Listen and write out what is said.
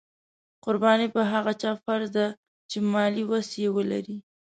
قرباني په هغه چا فرض ده چې مالي وس یې ولري.